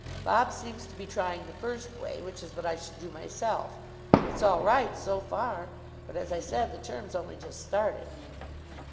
Bob seems to be trying the first way, which is what I should do myself. It's all right, so far, but, as I said, the term's only just started."